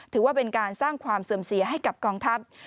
ถือว่าเป็นการสร้างความเสื่อมเสียให้กับกองทัพ